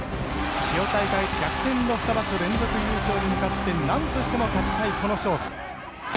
千代大海逆転の２場所連続優勝に向かって何としても勝ちたい、この勝負。